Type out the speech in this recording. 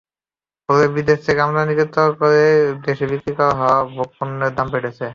ফলে বিদেশ থেকে আমদানি করে দেশে বিক্রি হওয়া ভোগ্যপণ্যের দাম বেড়েছে।